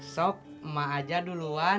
sok emak ajar duluan